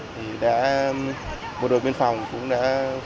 thì bộ đội biên phòng cũng đã